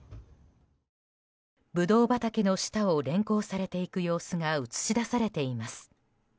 ブドウ畑の下を連行されていく様子が映し出されています。